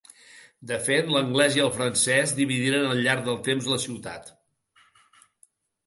De fet, l'anglès i el francès dividiren al llarg del temps la ciutat.